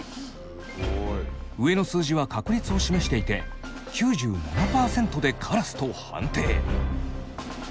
上の数字は確率を示していて９７％でカラスと判定。